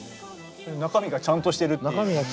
中身がちゃんとしてるっていう。